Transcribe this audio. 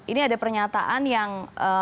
ini ada pernyataan yang